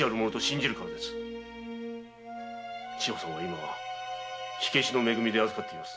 志保さんは今火消しの「め組」で預かっています。